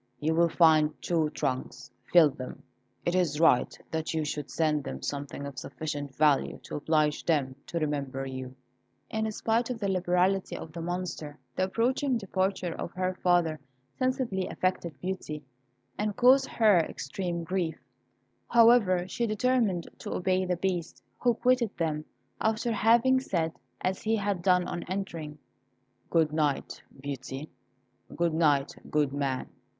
You will find two trunks; fill them. It is right that you should send them something of sufficient value to oblige them to remember you." In spite of the liberality of the Monster, the approaching departure of her father sensibly affected Beauty, and caused her extreme grief; however, she determined to obey the Beast, who quitted them, after having said, as he had done on entering, "Good night, Beauty; good night, good man."